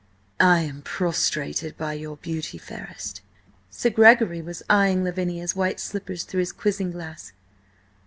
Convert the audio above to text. "I am prostrated by your beauty, fairest!" Sir Gregory was eyeing Lavinia's white slippers through his quizzing glass.